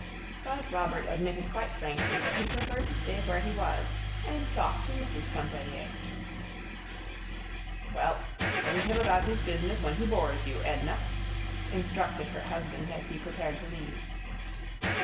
But Robert admitted quite frankly that he preferred to stay where he was and talk to Mrs. Pontellier. "Well, send him about his business when he bores you, Edna," instructed her husband as he prepared to leave.